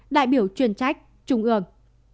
đại biểu chuyên trách trung ương